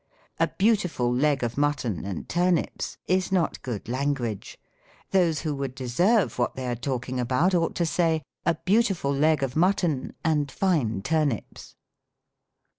" A beauti ful leg of mutton and turnips" is not good language : those who would deserve what they are talking about ought to say, "A beautiful leg of mutton and fine turnips."